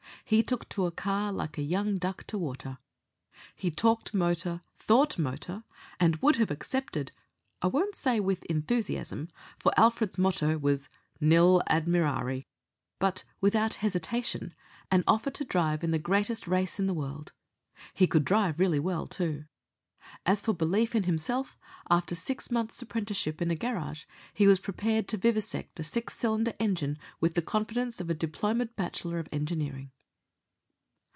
He took to a car like a young duck to water. He talked motor, thought motor, and would have accepted I won't say with enthusiasm, for Alfred's motto was 'Nil admirari' but without hesitation, an offer to drive in the greatest race in the world. He could drive really well, too; as for belief in himself, after six months' apprenticeship in a garage he was prepared to vivisect a six cylinder engine with the confidence of a diplomaed bachelor of engineering.